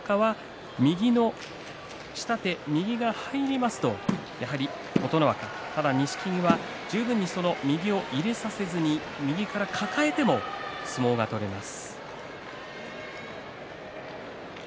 琴ノ若は右の下手、右が入りますとやはり琴ノ若に錦木は十分に右を入れさせずに右から抱えても相撲が取れます。